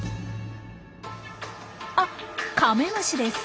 あカメムシです。